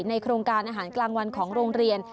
โครงการอาหารกลางวันของโรงเรียน